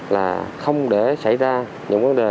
là không để xảy ra những vấn đề